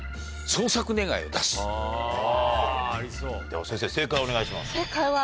では先生正解をお願いします。